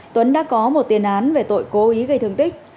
tuấn đã có một tiền án về tội cố ý gây thương tích